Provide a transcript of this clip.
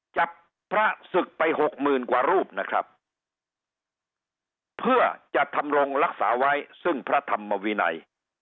จับพระศึกไปหกหมื่นกว่ารูปนะครับเพื่อจะทำรงรักษาไว้ซึ่งพระธรรมวินัย